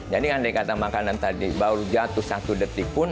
jadi andai kata makanan tadi baru jatuh satu detik pun